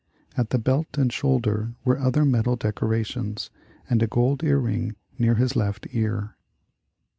At the belt and shoulder were other metal decora tions, and a gold ear ring near his left ear.